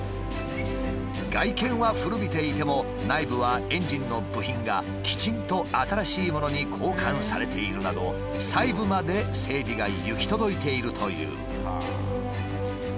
外見は古びていても内部はエンジンの部品がきちんと新しいものに交換されているなど細部まで整備が行き届いているという。